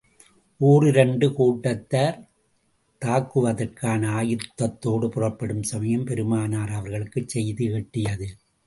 ஒன்றிரண்டு கூட்டத்தார் தாக்குவதற்கான ஆயத்தத்தோடு புறப்படும் சமயம், பெருமானார் அவர்களுக்குச் செய்தி எட்டியது.